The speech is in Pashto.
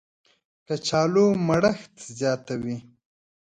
کچالو مړښت زیاتوي